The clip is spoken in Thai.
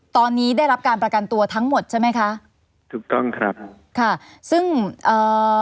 ตอนนี้ได้รับการประกันตัวทั้งหมดใช่ไหมคะถูกต้องครับค่ะซึ่งเอ่อ